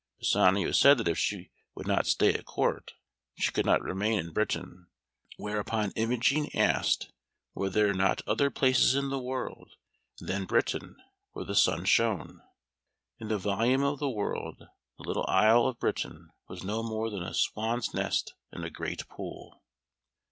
Pisanio said that if she would not stay at Court she could not remain in Britain, whereupon Imogen asked were there not other places in the world than Britain where the sun shone? In the volume of the world, the little isle of Britain was no more than a swan's nest in a great pool.